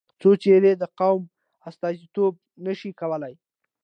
څو څېرې د قوم استازیتوب نه شي کولای.